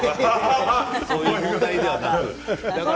そういう問題ではなく。